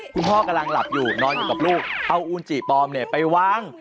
พ่อกำลังหลับอยู่นอนอยู่กับลูกเอาอูนจิปลอมเนี่ยไปวาง